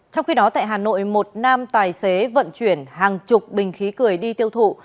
trong khi đó tại hà nội một nam tài xế vận chuyển hàng chục bình khí cười đi tiêu thụ